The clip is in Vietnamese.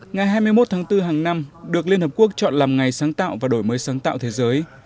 ngày hai mươi một tháng bốn hàng năm được liên hợp quốc chọn làm ngày sáng tạo và đổi mới sáng tạo thế giới